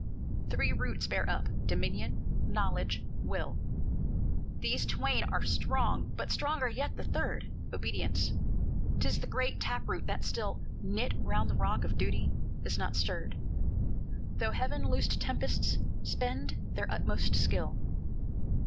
"Three roots bear up Dominion: Knowledge, Will, These twain are strong, but stronger yet the third, Obedience, 'tis the great tap root that still, Knit round the rock of Duty, is not stirred, Though Heaven loosed tempests spend their utmost skill.